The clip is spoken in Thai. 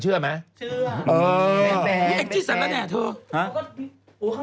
เปล่าเปล่าเปล่าเปล่า